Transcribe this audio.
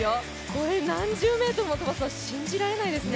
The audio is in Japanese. これ、何十メートルも飛ばすの、信じられないですね。